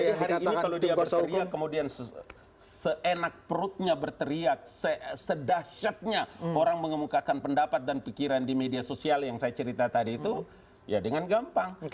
hari ini kalau dia berteriak kemudian seenak perutnya berteriak sedahsyatnya orang mengemukakan pendapat dan pikiran di media sosial yang saya cerita tadi itu ya dengan gampang